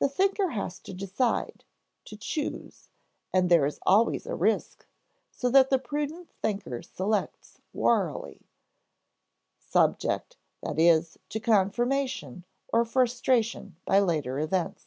The thinker has to decide, to choose; and there is always a risk, so that the prudent thinker selects warily, subject, that is, to confirmation or frustration by later events.